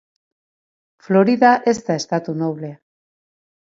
Florida ez da estatu noblea.